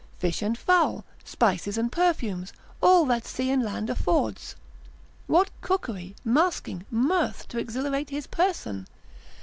fish and fowl, spices and perfumes, all that sea and land affords. What cookery, masking, mirth to exhilarate his person?